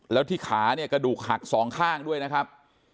แล้วที่ขาเนี่ยกระดูกหักสองข้างด้วยนะครับ